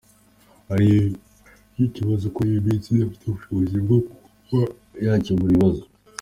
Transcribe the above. ariyo kibazo kuko muri iyi minsi idafite ubushobozi bwo kuba yacyemura ikibazo